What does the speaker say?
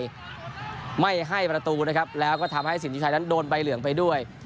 นั้นจะตัดสินใจไม่ให้ประตูนะครับแล้วก็ทำให้สินทีไทยนั้นโดนใบเหลืองไปด้วย